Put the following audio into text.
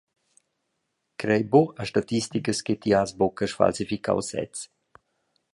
Crei buca a statisticas che ti has buca sfalsificau sez.